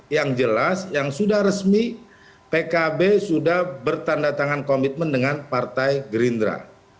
yang jelas yang sudah resmi pkb sudah bertanda tangan komitmen dengan partai gerindra